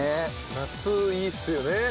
夏いいっすよね。